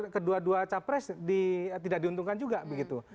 kedua dua capres tidak diuntungkan juga begitu